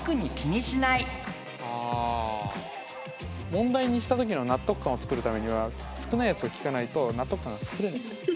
問題にした時の納得感をつくるためには少ないやつを聞かないと納得感がつくれない。